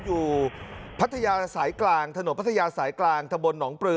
พัทยาสายกลางถนนพัทยาสายกลางตะบนหนองปลือ